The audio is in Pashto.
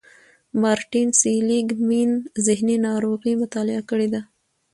مارټين سېليګ مېن ذهني ناروغۍ مطالعه کړې دي.